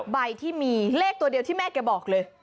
ใบที่มีเลขตัวเดียวที่แม่แกบอกเลย